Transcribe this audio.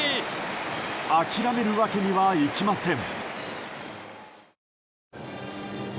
諦めるわけにはいきません。